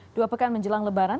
dua pekan menjelang lebaran